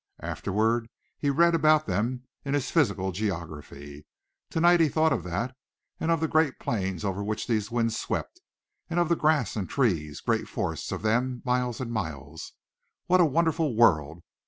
Afterward he read about them in his physical geography. Tonight he thought of that, and of the great plains over which these winds swept, and of the grass and trees great forests of them miles and miles. What a wonderful world!